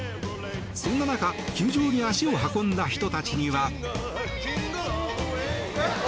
そんな中球場に足を運んだ人たちには。